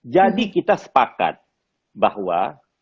jadi kita sepakat bahwa